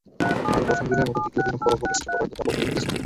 তবে প্রথম দিনের মতো দ্বিতীয় দিনও কলম্বো টেস্টে বোলাররা দাপট দেখিয়েছেন।